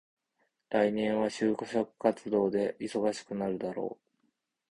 来年は就職活動で忙しくなるだろう。